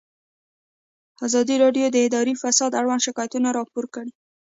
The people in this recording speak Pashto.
ازادي راډیو د اداري فساد اړوند شکایتونه راپور کړي.